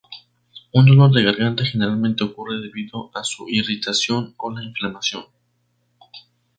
Un dolor de garganta generalmente ocurre debido a su irritación o la inflamación.